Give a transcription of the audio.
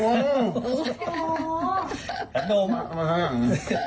แข่งโดมมากมาห้าง